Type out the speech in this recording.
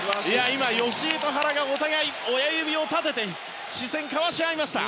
今、吉井と原がお互いに親指を立てて視線を交わし合いました。